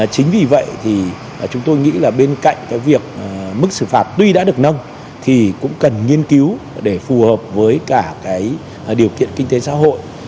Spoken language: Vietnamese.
chính vì vậy thì chúng tôi nghĩ là bên cạnh cái việc mức xử phạt tuy đã được nâng thì cũng cần nghiên cứu để phù hợp với cả cái điều kiện kinh tế xã hội